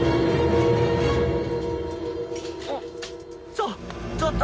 ちょっちょっと！